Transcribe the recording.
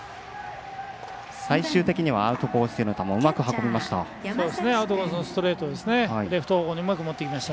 最終的にはアウトコースへの球をうまく運びました。